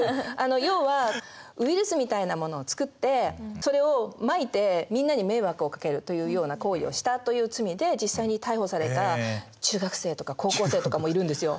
要はウイルスみたいなものを作ってそれをまいてみんなに迷惑をかけるというような行為をしたという罪で実際に逮捕された中学生とか高校生とかもいるんですよ。